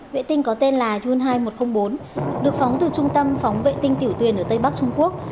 vệ tinh có tên là jun hai một trăm linh bốn được phóng từ trung tâm phóng vệ tinh tiểu tuyển ở tây bắc trung quốc